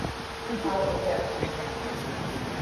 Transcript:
qargiq